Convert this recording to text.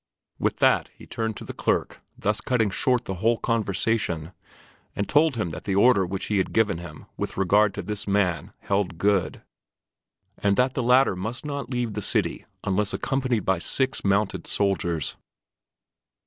With that he turned to the clerk, thus cutting short the whole conversation, and told him that the order which he had given him with regard to this man held good, and that the latter must not leave the city unless accompanied by six mounted soldiers.